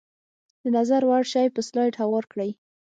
د نظر وړ شی په سلایډ هوار کړئ.